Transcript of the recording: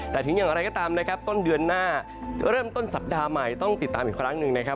แต่ถึงอย่างไรก็ตามนะครับต้นเดือนหน้าเริ่มต้นสัปดาห์ใหม่ต้องติดตามอีกครั้งหนึ่งนะครับ